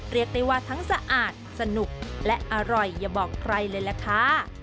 เรียกได้ว่าทั้งสะอาดสนุกและอร่อยอย่าบอกใครเลยล่ะค่ะ